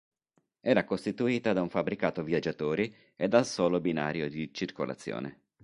Era costituita da un fabbricato viaggiatori e dal solo binario di circolazione.